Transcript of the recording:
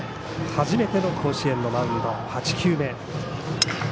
初めての甲子園のマウンド。